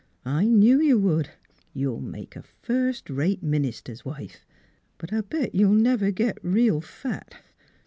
I knew you would. You'll make a firstrate minister's wife; but I'll bet you'll never git real fat."